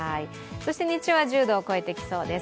日中は１０度を超えてきそうです。